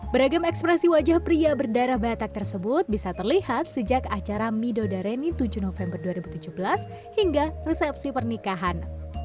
beragam ekspresi wajah pria berdarah batak tersebut bisa terlihat sejak acara midodareni tujuh november dua ribu tujuh belas hingga resepsi pernikahan